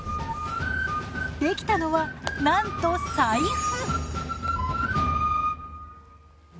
できたのはなんと財布！